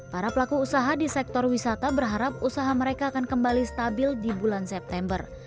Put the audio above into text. para pelaku usaha di sektor wisata berharap usaha mereka akan kembali stabil di bulan september